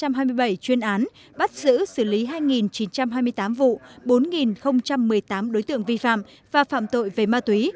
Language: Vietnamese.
trong hai mươi bảy chuyên án bắt giữ xử lý hai chín trăm hai mươi tám vụ bốn một mươi tám đối tượng vi phạm và phạm tội về ma túy